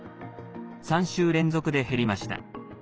３週連続で減りました。